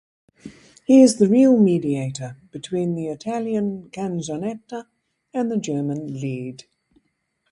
He is the real mediator between the Italian canzonetta and the German Lied.